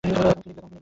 আমি ফিনি ব্লেক।